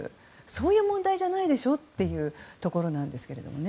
そういう問題じゃないでしょというところなんですけどね。